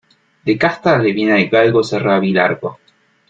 De casta le viene al galgo ser rabilargo.